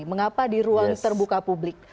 mengapa di ruang terbuka publik